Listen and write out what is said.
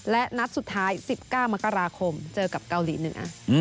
และนัดสุดท้าย๑๙มกราคมเจอกับเกาหลีเหนือ